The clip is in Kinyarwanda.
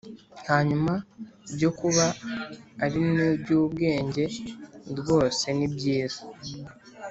hanyuma byo kuba ari n’ umunyabwenge rwose ni byiza